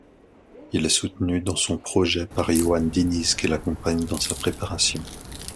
Il est soutenu dans son projet par Yohann Diniz qui l'accompagne dans sa préparation.